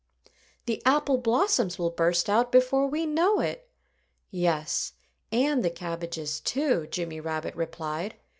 "The apple blossoms will burst out before we know it." "Yes and the cabbages, too," Jimmy Rabbit replied.